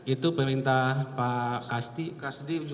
itu perintah pak kasti